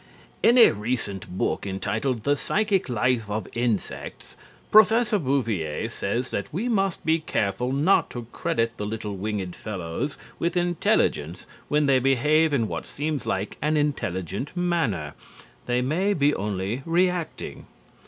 In a recent book entitled, "The Psychic Life of Insects," Professor Bouvier says that we must be careful not to credit the little winged fellows with intelligence when they behave in what seems like an intelligent manner. They may be only reacting.